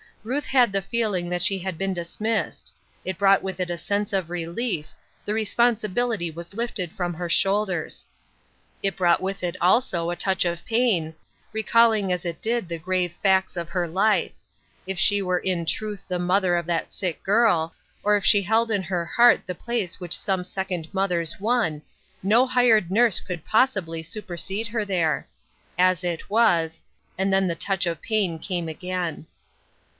Ruth had the feeling that she had been dismissed ; it brought with it a sense of relief ; the responsibil ity was lifted from her shoulders. It brought with it, also, a touch of pain, recalling as it did the grave facts of her life ; if she were in truth the mother of that sick girl, or if she held in her heart the place which some second mothers won, no hired nurse could possibly supersede her there. As it was — and then the touch of pain came again.